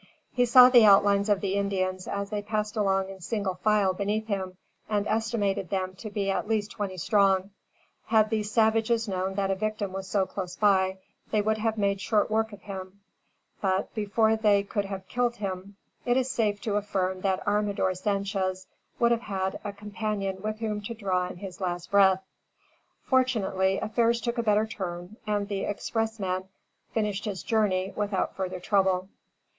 He saw the outlines of the Indians as they passed along in single file beneath him and estimated them to be at least twenty strong. Had these savages known that a victim was so close by, they would have made short work of him; but, before they could have killed him, it is safe to affirm that Armador Sanchez would have had a companion with whom to draw in his last breath. Fortunately affairs took a better turn and the expressman finished his journey without further trouble.